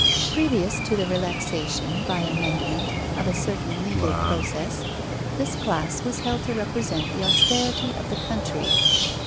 Previous to the relaxation, by amendment, of a certain legal process, this class was held to represent the austerity of the country.